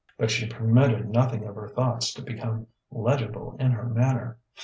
But she permitted nothing of her thoughts to become legible in her manner.